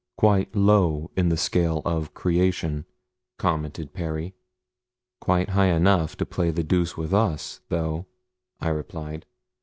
"Quite low in the scale of creation," commented Perry. "Quite high enough to play the deuce with us, though," I replied.